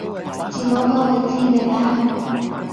字母嘅位置未擺好